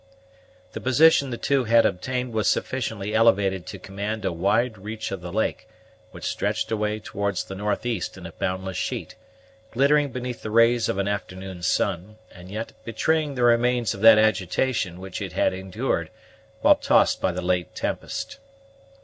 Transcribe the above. The position the two had obtained was sufficiently elevated to command a wide reach of the lake, which stretched away towards the north east in a boundless sheet, glittering beneath the rays of an afternoon's sun, and yet betraying the remains of that agitation which it had endured while tossed by the late tempest.